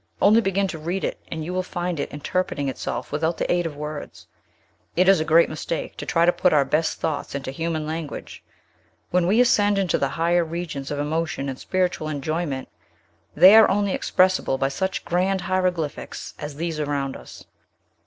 Only begin to read it, and you will find it interpreting itself without the aid of words. It is a great mistake to try to put our best thoughts into human language. When we ascend into the higher regions of emotion and spiritual enjoyment, they are only expressible by such grand hieroglyphics as these around us."